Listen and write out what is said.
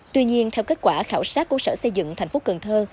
tuy nhiên theo kết quả khảo sát của sở xây dựng thành phố cần thơ